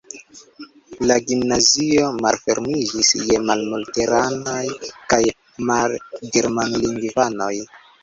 La gimnazio malfermiĝis je malluteranaj kaj malgermanlingvanoj.